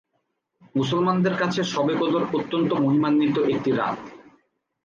মুসলমানদের কাছে শবে কদর অত্যন্ত মহিমান্বিত একটি রাত।